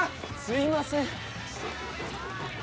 すいません。